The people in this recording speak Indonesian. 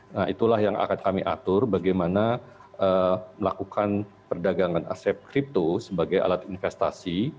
nah itulah yang akan kami atur bagaimana melakukan perdagangan aset kripto sebagai alat investasi